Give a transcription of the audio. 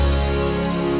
kamu belom peny definitif